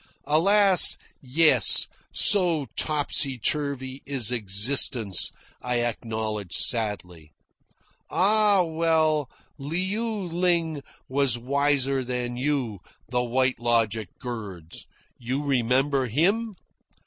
"Alas, yes, so topsy turvy is existence," I acknowledge sadly. "Ah, well, Liu Ling was wiser than you," the White Logic girds. "You remember him?"